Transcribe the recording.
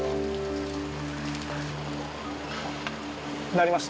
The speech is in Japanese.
鳴りました。